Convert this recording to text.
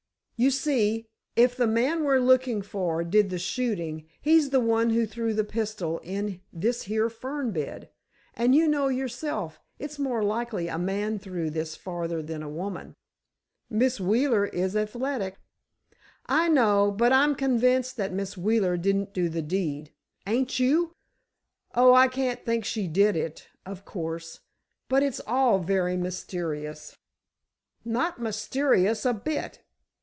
You see, if the man we're looking for did the shooting, he's the one who threw the pistol in this here fern bed. And, you know yourself, it's more likely a man threw this farther than a woman." "Miss Wheeler is athletic." "I know, but I'm convinced that Miss Wheeler didn't do the deed. Ain't you?" "Oh, I can't think she did it, of course. But it's all very mysterious." "Not mysterious a bit.